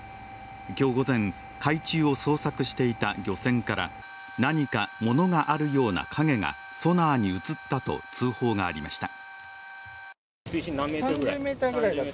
今日午前海中を捜索していた漁船から何かものがあるような影がソナーに映ったと通報がありました。